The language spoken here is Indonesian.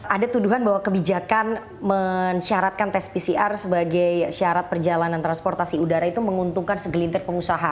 ada tuduhan bahwa kebijakan mensyaratkan tes pcr sebagai syarat perjalanan transportasi udara itu menguntungkan segelintir pengusaha